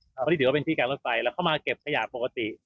เพราะนี่ถือว่าเป็นที่การรถไฟแล้วเข้ามาเก็บขยะปกติ